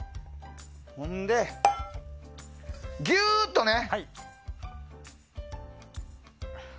ほんで、ギューッとね！